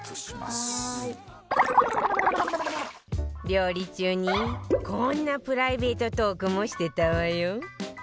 料理中にこんなプライベートトークもしてたわよ